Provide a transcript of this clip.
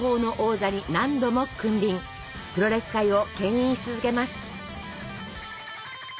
プロレス界をけん引し続けます。